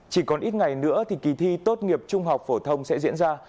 chỉ còn ít ngày nữa thì kỳ thi tốt nghiệp trung học phổ thông sẽ diễn ra